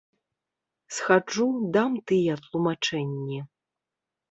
Схаджу, дам тыя тлумачэнні.